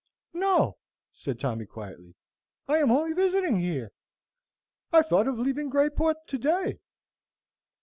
"No," said Tommy, quietly; "I am only visiting here. I thought of leaving Greyport to day."